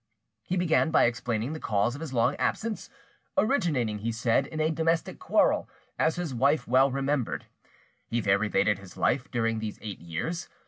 He began by explaining the cause of his long absence, originating, he said, in a domestic quarrel, as his wife well remembered. He there related his life during these eight years.